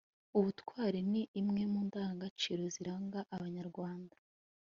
ubutwari ni imwe mu ndangagaciro ziranga abanyarwanda